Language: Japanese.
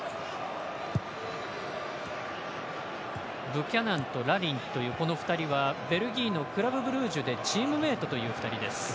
ブキャナンとラリンというこの２人はベルギーのクラブブルージュでチームメートという２人です。